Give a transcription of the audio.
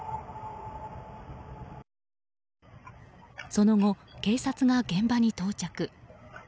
その後、警察が現場に到着。